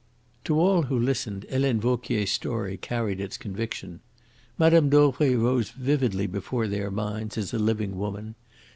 To all who listened Helene Vauquier's story carried its conviction. Mme. Dauvray rose vividly before their minds as a living woman.